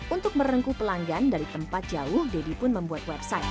untuk merengku pelanggan dari tempat jauh deddy pun membuat website